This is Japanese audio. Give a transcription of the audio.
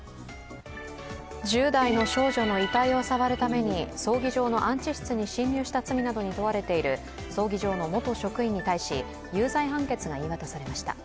１０代の少女の遺体を触るために葬儀場の安置室に侵入した罪などに問われる葬儀場の元職員に対し、有罪判決が言い渡されました。